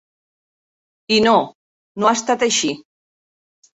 I no, no ha estat així.